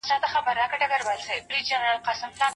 د غریبانو د حق ادا کول فرض دي.